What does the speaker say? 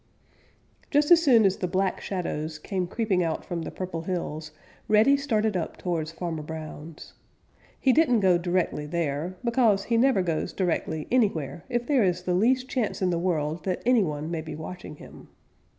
Just as soon as the Black Shadows came creeping out from the Purple Hills, Reddy started up towards Farmer Brown's. He didn't go directly there, because he never goes directly anywhere if there is the least chance in the world that any one may be watching him.